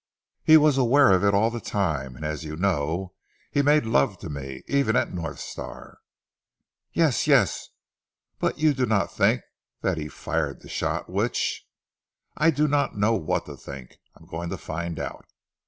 He was aware of it all the time, and as you know he made love to me. Even at North Star " "Yes! Yes! But you do not think that he fired the shot which " "I do not know what to think! I am going to find out.